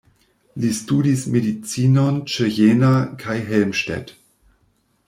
Li studis medicinon ĉe Jena kaj Helmstedt.